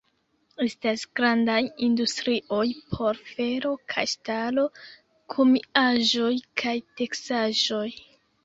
Estas grandaj industrioj por fero kaj ŝtalo, kemiaĵoj kaj teksaĵoj.